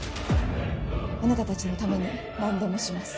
あなたたちのために何でもします。